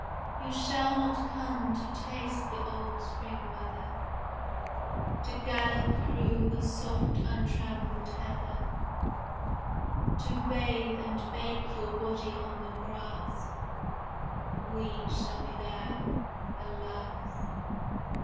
You shall not come to taste the old Spring weather, To gallop through the soft untrampled heather, To bathe and bake your body on the grass. We shall be there, alas!